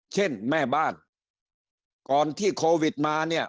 เช่นแม่บ้านก่อนที่โควิดมาเนี่ย